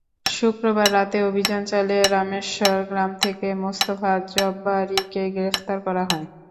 শুক্রবার রাতে অভিযান চালিয়ে রামেশ্বর গ্রাম থেকে মোস্তফা জব্বারীকে গ্রেপ্তার করা হয়।